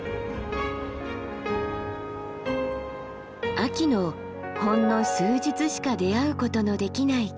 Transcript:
秋のほんの数日しか出会うことのできない輝き。